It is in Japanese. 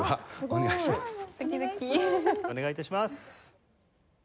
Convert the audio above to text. お願い致します。